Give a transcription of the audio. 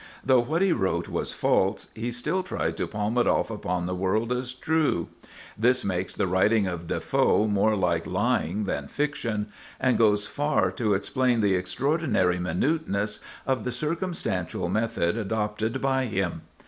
Though what he wrote was false, he still tried to palm it off upon the world as true. This makes the writing of Defoe more like lying than fiction, and goes far to explain the extraordinary minuteness of the circumstantial method adopted by him.